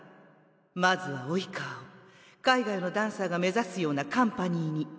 まずは「生川」を海外のダンサーが目指すようなカンパニーに。